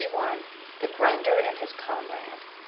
THE GRINDER AND HIS COMRADE.